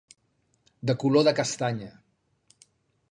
De color de castanya.